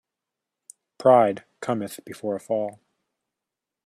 Pride cometh before a fall.